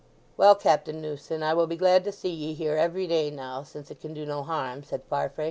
"Well, Captain Newson, I will be glad to see ye here every day now, since it can do no harm," said Farfrae.